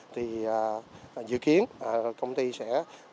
trong năm hai nghìn hai mươi dự kiến công ty sẽ